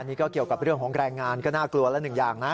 อันนี้ก็เกี่ยวกับเรื่องของแกรงงานก็น่ากลัวแล้ว๑อย่างนะ